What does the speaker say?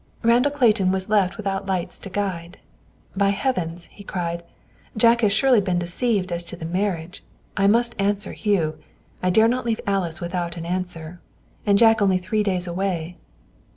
Randall Clayton was left without lights to guide. "By Heavens!" he cried. "Jack has surely been deceived as to the marriage. I must answer Hugh. I dare not leave Alice without an answer. And Jack only three days away!"